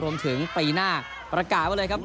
ปีหน้าประกาศไว้เลยครับ